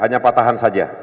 hanya patahan saja